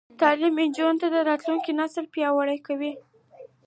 تعلیم د نجونو راتلونکی نسل پیاوړی کوي.